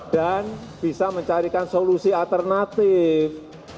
dan bisa mencarikan solusi alternatif